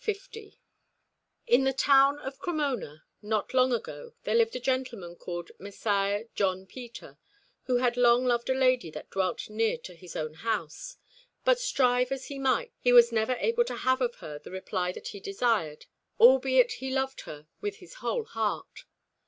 (1) In the town of Cremona not long ago there lived a gentleman called Messire John Peter, (2) who had long loved a lady that dwelt near to his own house; but strive as he might he was never able to have of her the reply that he desired, albeit he loved her with his whole heart.